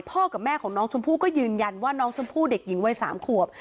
กับแม่ของน้องชมพู่ก็ยืนยันว่าน้องชมพู่เด็กหญิงวัย๓ขวบ